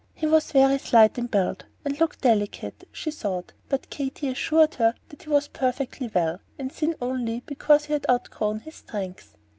He was very slight in build, and looked delicate, she thought; but Katy assured her that he was perfectly well, and thin only because he had outgrown his strength.